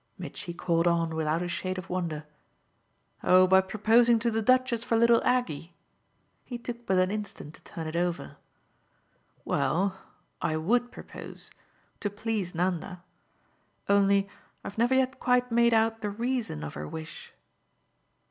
Mitchy caught on without a shade of wonder. "Oh by proposing to the Duchess for little Aggie?" He took but an instant to turn it over. "Well, I WOULD propose to please Nanda. Only I've never yet quite made out the reason of her wish."